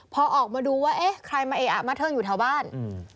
พอออกมาดูว่าเอ๊ะใครมาเออะมาเทิงอยู่แถวบ้านอืม